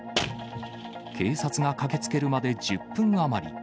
警察が駆けつけるまで１０分余り。